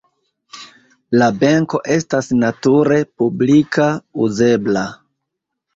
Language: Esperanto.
La benko estas nature publika, uzebla.